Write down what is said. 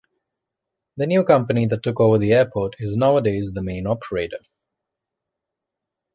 The new company that took over the airport is nowadays the main operator.